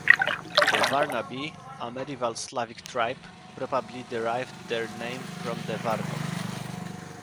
The Warnabi, a medieval Slavic tribe, probably derived their name from the Warnow.